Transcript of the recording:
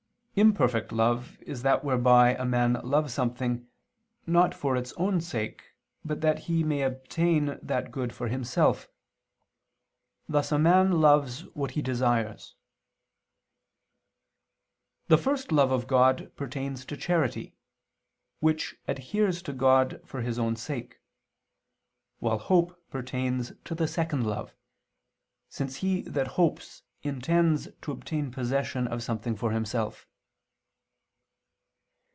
Imperfect love is that whereby a man love something, not for its own sake, but that he may obtain that good for himself; thus a man loves what he desires. The first love of God pertains to charity, which adheres to God for His own sake; while hope pertains to the second love, since he that hopes, intends to obtain possession of something for himself.